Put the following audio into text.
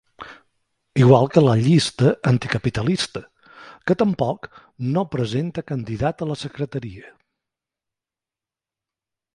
Igual que la llista anticapitalista, que tampoc no presenta candidat a la secretaria.